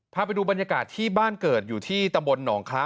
พาไปดูบรรยากาศที่บ้านเกิดอยู่ที่ตำบลหนองคล้า